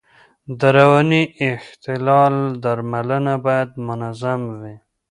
د رواني اختلال درملنه باید منظم وي.